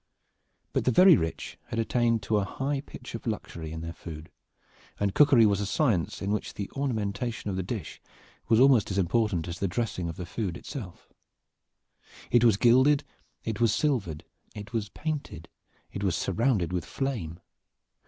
But the very rich had attained to a high pitch of luxury in their food, and cookery was a science in which the ornamentation of the dish was almost as important as the dressing of the food. It was gilded, it was silvered, it was painted, it was surrounded with flame.